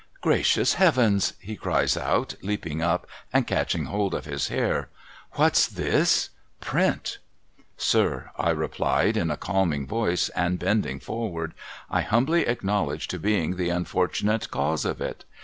' Gracious Heavens !' he cries out, leaping up, and catching hold of his hair. ' What's this ? Print !'' Sir,' I replied, in a calming voice, and bending forward, ' I humbly acknowledge to being the unfortunate cause of it.